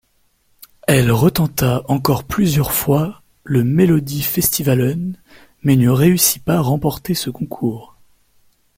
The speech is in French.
Elle retenta encore plusieurs fois le Melodifestivalen mais ne réussit pas remporter ce concours.